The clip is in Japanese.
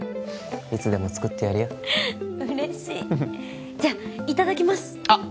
いつでも作ってやるよ嬉しいじゃいただきますあっ！